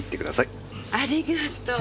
ありがとう。